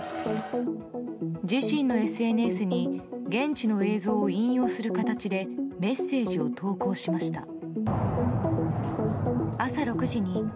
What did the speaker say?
自身のＳＮＳに現地の映像を引用する形でメッセージを投稿しました。